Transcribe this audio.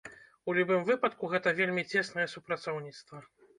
У любым выпадку, гэта вельмі цеснае супрацоўніцтва.